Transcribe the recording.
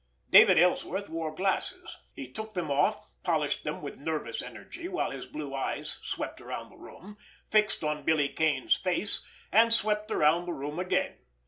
David Ellsworth wore glasses. He took them off, polished them with nervous energy while his blue eyes swept around the room, fixed on Billy Kane's face, and swept around the room again.